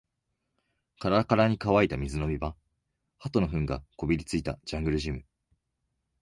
カラカラに乾いた水飲み場、鳩の糞がこびりついたジャングルジム